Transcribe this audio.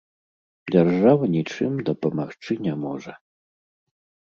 Дзяржава нічым дапамагчы не можа.